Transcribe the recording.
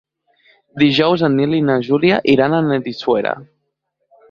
Dijous en Nil i na Júlia iran a Benissuera.